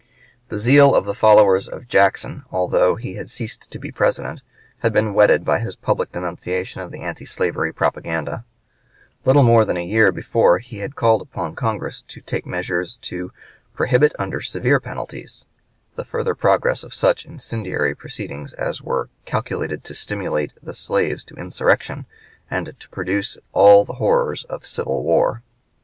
The zeal of the followers of Jackson, although he had ceased to be President, had been whetted by his public denunciations of the antislavery propaganda; little more than a year before he had called upon Congress to take measures to "prohibit under severe penalties" the further progress of such incendiary proceedings as were "calculated to stimulate the slaves to insurrection and to produce all the horrors of civil war."